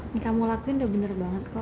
nih kamu lakuin udah bener banget kok